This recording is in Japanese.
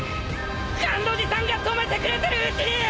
甘露寺さんが止めてくれてるうちに！